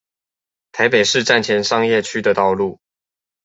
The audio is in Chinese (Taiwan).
台北市站前商業區的道路